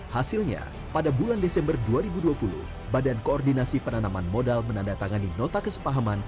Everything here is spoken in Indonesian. hasilnya pada bulan desember dua ribu dua puluh badan koordinasi penanaman modal menandatangani nota kesepahaman